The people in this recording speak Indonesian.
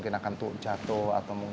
kebanyakan terjang ranjian dana